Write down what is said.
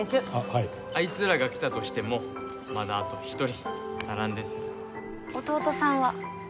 はいあいつらが来たとしてもまだあと一人足らんです弟さんは？